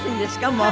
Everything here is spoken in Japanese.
もう。